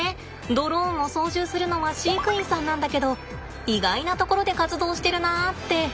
ドローンを操縦するのは飼育員さんなんだけど意外なところで活動してるなって。